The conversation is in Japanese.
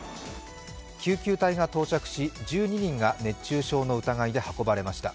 救急隊が到着し１２人が熱中症の疑いで運ばれました。